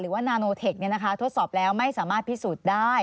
ว่านาโนเทคทดสอบแล้วไม่สามารถพิสูจน์ได้